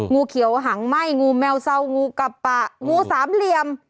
งูเขียวหางไหม้งูแมวเซางูกับปะงูสามเหลี่ยม